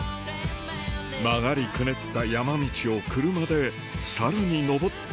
曲がりくねった山道を車でさらに登っていくと